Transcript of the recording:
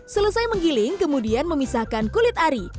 selesai menggiling kemudian memisahkan kulit ari